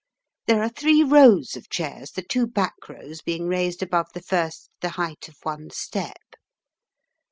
There are three rows of chairs, the two back rows being raised above the first the height of one step.